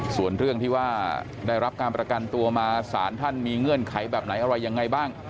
ส่วนเรื่องที่ว่าได้รับการประกันตัวมาสารท่านมีเงื่อนไขแบบไหนอะไรยังไงบ้าง